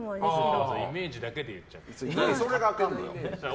イメージだけで言っちゃうから。